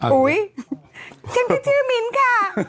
ก็ได้ที่มิ้นค่ะ